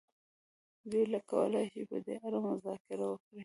دوی کولای شي په دې اړه مذاکره وکړي.